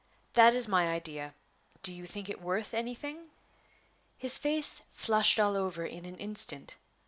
That is my idea; do you think it worth anything?" His face flushed all over in an instant.